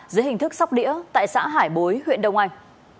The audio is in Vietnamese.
dưới hình thức sóc đĩa tại xã hải bối huyện đông anh